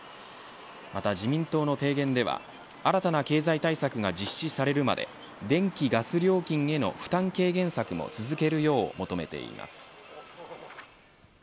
また、自民党の提言では新たな経済対策が実施されるまで電気・ガス料金への負担軽減策も続けるよう求めています。